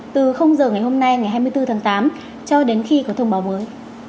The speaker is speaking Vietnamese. từ giờ ngày hôm nay ngày hai mươi bốn tháng tám cho đến khi có thông báo mới